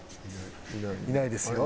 いないですよ。